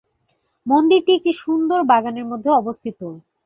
মন্দিরটি একটি সুন্দর বাগানের মধ্যে অবস্থিত।